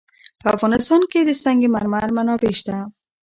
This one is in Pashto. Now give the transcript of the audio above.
په افغانستان کې د سنگ مرمر منابع شته.